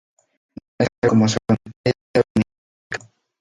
Nadie sabe cómo son, nadie sabe el significado de la vida.